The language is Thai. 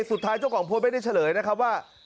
สุดท้ายเจ้ากล่องพูดไม่ได้เฉลยนะครับว่า